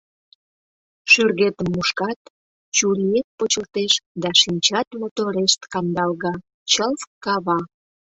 Шӱргетым мушкат — чуриет почылтеш да шинчат моторешт кандалга чылт кава.